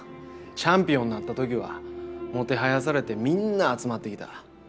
チャンピオンになった時はもてはやされてみんな集まってきた。